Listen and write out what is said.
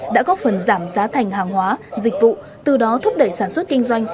đã góp phần giảm giá thành hàng hóa dịch vụ từ đó thúc đẩy sản xuất kinh doanh